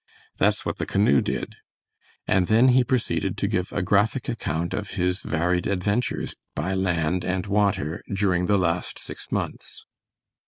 "That's what the canoe did," and then he proceeded to give a graphic account of his varied adventures by land and water during the last six months.